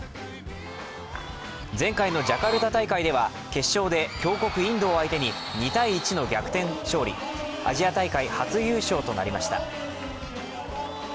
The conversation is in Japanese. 前回のジャカルタ大会では決勝で強国インドを相手に２−１の逆転勝利、アジア大会、初優勝となりました。